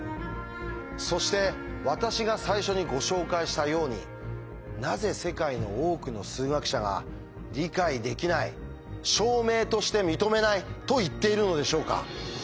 そして私が最初にご紹介したようになぜ世界の多くの数学者が「理解できない」「証明として認めない」と言っているのでしょうか？